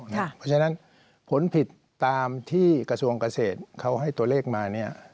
เพราะฉะนั้นผลผิดตามที่กระทรวงเกษตรเขาให้ตัวเลขมาเนี่ย